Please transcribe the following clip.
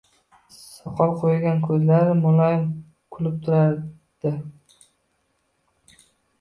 Soqol qoʻygan, koʻzlari muloyim kulib turardi.